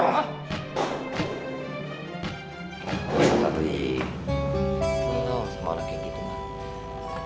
pak teteh lu sama orang kayak gitu mak